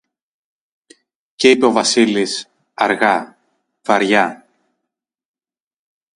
Και είπε ο Βασίλης, αργά, βαριά: